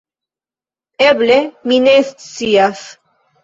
Eble, mi ne scias.